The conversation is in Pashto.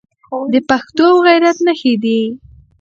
د پښتو او غیرت نښې دي.